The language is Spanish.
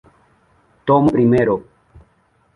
Tomo Primero.